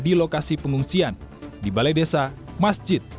di lokasi pengungsian di balai desa masjid